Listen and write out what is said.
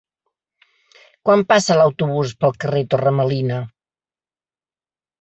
Quan passa l'autobús pel carrer Torre Melina?